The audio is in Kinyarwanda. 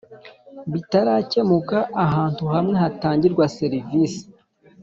Bitarakemuka ahantu hamwe hatangirwa serivisi